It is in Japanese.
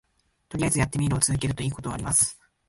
とりあえずやってみるを続けるといいことあります